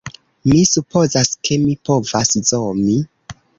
Mi supozas, ke mi povas zomi